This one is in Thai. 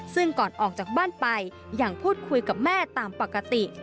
ซึ่งก่อนออกจากบ้านไปยังพูดคุยกับแม่ตามปกติ